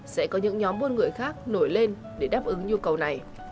sẽ có những nhóm buôn người khác nổi lên để đáp ứng nhu cầu này